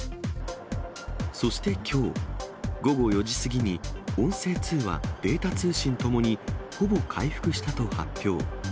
そしてきょう午後４時過ぎに、音声通話、データ通信ともにほぼ回復したと発表。